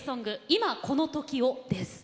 「今この瞬間を」です。